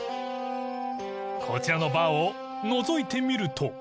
こちらのバーをのぞいてみると。